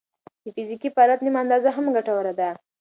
د فزیکي فعالیت نیمه اندازه هم ګټوره ده.